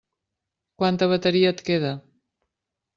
Quanta bateria et queda?